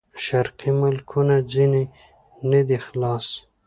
شرقي ملکونه ځنې نه دي خلاص.